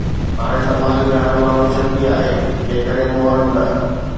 هاڻي سماج ۾ هر ماڻهو شڪي آهي جيڪڏهن مجرم نه.